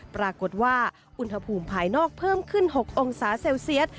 ปรากฏว่าอุณหภูมิภายนอกเพิ่มขึ้น๖องศาเซลเซียส